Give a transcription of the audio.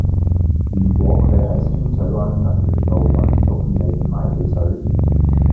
如果佢喺清水灣銀巒路搵唔到便利店買汽水